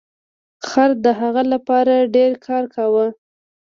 خر د هغه لپاره ډیر کار کاوه.